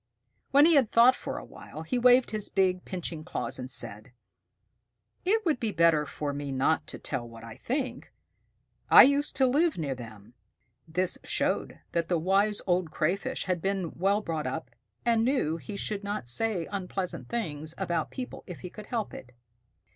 When he had thought for a while, he waved his big pinching claws and said, "It would be better for me not to tell what I think. I used to live near them." This showed that the Wise Old Crayfish had been well brought up, and knew he should not say unpleasant things about people if he could help it.